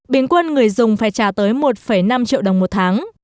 bình quân người dùng phải trả tới một năm triệu đồng một tháng